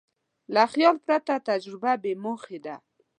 له خیال پرته تجربه بېموخې ده.